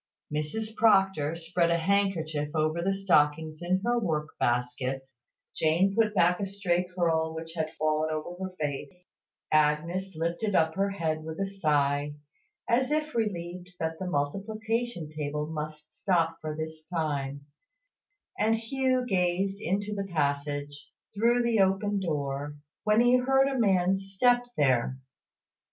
Mrs Proctor spread a handkerchief over the stockings in her work basket; Jane put back a stray curl which had fallen over her face; Agnes lifted up her head with a sigh, as if relieved that the multiplication table must stop for this time; and Hugh gazed into the passage, through the open door, when he heard a man's step there.